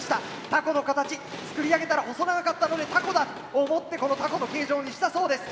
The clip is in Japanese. タコの形作り上げたら細長かったのでタコだと思ってこのタコの形状にしたそうです。